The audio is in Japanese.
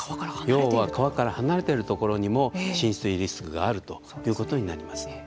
要は川から離れているところにも浸水リスクがあるということになります。